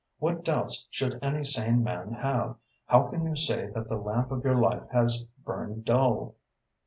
What doubts should any sane man have? How can you say that the lamp of your life has burned dull?"